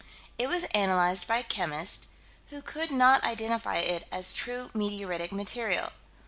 It was analyzed by a chemist, who could not identify it as true meteoritic material.